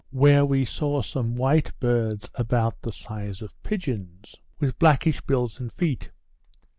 where we saw some white birds about the size of pigeons, with blackish bills and feet.